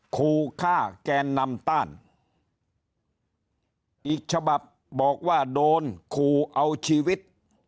ขู่ฆ่าแกนนำต้านอีกฉบับบอกว่าโดนขู่เอาชีวิต